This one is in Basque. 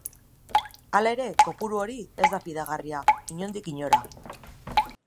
Halere, kopuru hori ez da fidagarria, inondik inora.